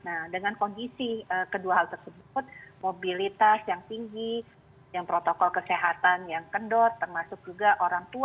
nah dengan kondisi kedua hal tersebut mobilitas yang tinggi protokol kesehatan yang kendor termasuk juga orang tua